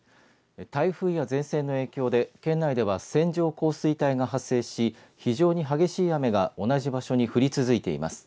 台風や前線の影響で県内では線状降水帯が発生し非常に激しい雨が同じ場所に降り続いています。